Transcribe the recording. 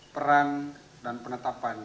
peran dan penetapan